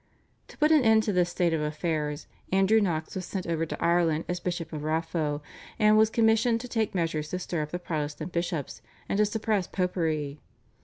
To put an end to this state of affairs Andrew Knox was sent over to Ireland as Bishop of Raphoe, and was commissioned to take measures to stir up the Protestant bishops and to suppress Popery.